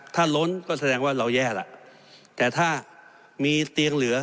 ถ้าล้นก็แสดงว่าเราแย่ล่ะแต่ถ้ามีเตียงเหลือ